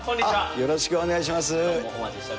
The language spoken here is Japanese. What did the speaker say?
よろしくお願いします。